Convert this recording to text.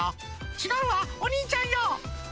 「違うわお兄ちゃんよ！」